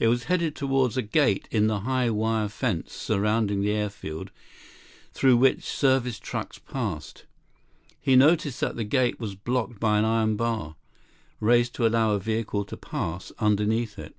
It was headed toward a gate in the high wire fence surrounding the airfield through which service trucks passed. He noticed that the gate was blocked by an iron bar, raised to allow a vehicle to pass underneath it.